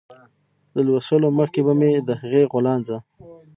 له لوشلو مخکې به مې د هغې غولانځه